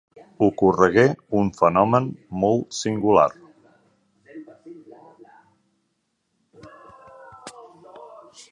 Ocorregué un fenomen molt singular.